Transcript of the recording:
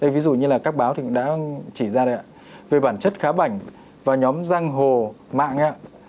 ví dụ như các báo đã chỉ ra đây về bản chất khá bảnh và nhóm giang hồ mạng